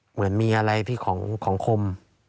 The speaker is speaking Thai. เหมือนมีอะไรที่ของคม